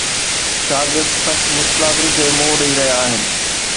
شاگرد سخت مشڪلاتن کي منهن ڏئي رهيا آهن